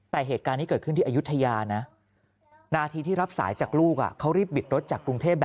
แต่เหตุการณ์ที่เกิดขึ้นที่อายุทยานะหน้าที่ที่รับสายจากลูกอ่ะ